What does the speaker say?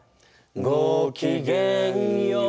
「ごきげんよう！」